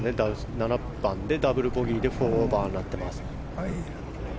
７番でダブルボギー４オーバーになっています。